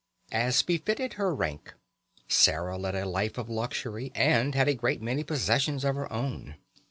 As befitted her rank, Sarah led a life of luxury, and had a great many possessions of her very own.